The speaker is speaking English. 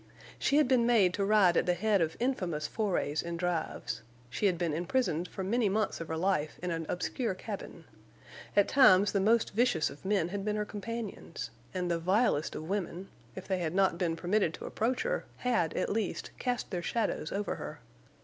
She had been made to ride at the head of infamous forays and drives. She had been imprisoned for many months of her life in an obscure cabin. At times the most vicious of men had been her companions; and the vilest of women, if they had not been permitted to approach her, had, at least, cast their shadows over her.